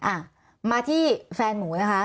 อ่ะมาที่แฟนหมูนะคะ